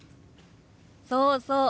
そうそう！